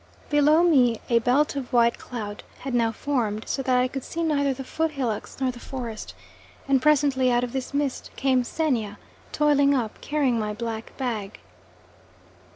Below me a belt of white cloud had now formed, so that I could see neither the foot hillocks nor the forest, and presently out of this mist came Xenia toiling up, carrying my black bag.